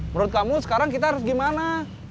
menurut kamu sekarang kita harus gimana